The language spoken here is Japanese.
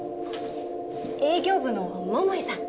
営業部の桃井さん